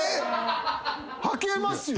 はけますよね？